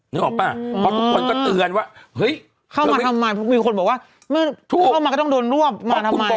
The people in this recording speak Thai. นึกออกป่ะเพราะทุกคนก็เตือนว่าเฮ้ยเข้ามาทำไมเพราะมีคนบอกว่าเข้ามาก็ต้องโดนร่วม